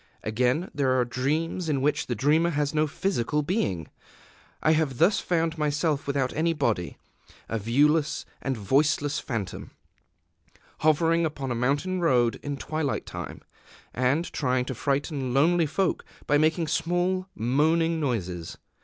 Again, there are dreams in which the dreamer has no physical being. I have thus found myself without any body, a viewless and voiceless phantom, hovering upon a mountain road in twilight time, and trying to frighten lonely folk by making small moaning noises.